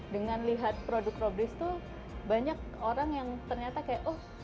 dengan lihat produk roblish tuh banyak orang yang ternyata kayak oh